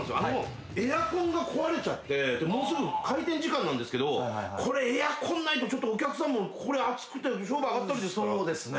エアコンが壊れちゃってもうすぐ開店時間なんですけどこれエアコンないとちょっとお客さんも暑くて商売あがったりですから。